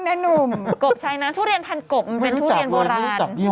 ลูกก็แสน